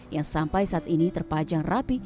yang sampai saat ini terpajang rapi